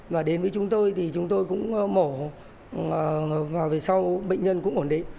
và đến với chúng tôi thì chúng tôi cũng mổ và về sau bệnh nhân cũng ổn định